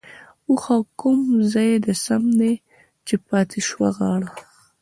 ـ اوښه کوم ځاى د سم دى ،چې پاتې شوه غاړه؟؟